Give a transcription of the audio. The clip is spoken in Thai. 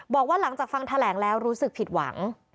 บอกว่าหลังจากฟังแถลงแล้วรู้สึกผิดหวัง